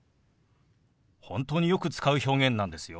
本当によく使う表現なんですよ。